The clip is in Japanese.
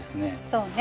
そうね。